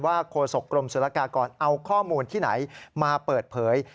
ว่าโครสกรมศูนยากากอนเอาข้อมูลที่ไหนมาเปิดเผย